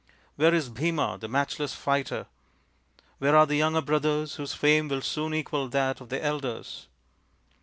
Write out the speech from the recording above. where is Bhima, the matchless fighter? where are the younger brothers whose fame will soon equal that of their elders